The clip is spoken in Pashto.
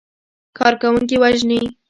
کارکوونکي وژني.